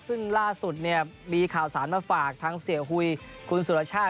ซึ่งล่าสุดเนี่ยมีข่าวสารมาฝากทางเสียหุยคุณสุรชาติ